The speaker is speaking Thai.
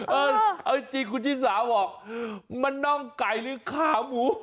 เอาจริงคุณชิสาบอกมันน่องไก่หรือขาหมู